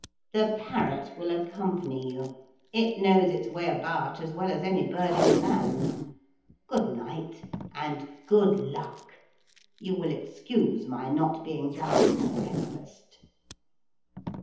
The parrot will accompany you. It knows its way about as well as any bird in the land. Good night. And good luck! You will excuse my not being down to breakfast.'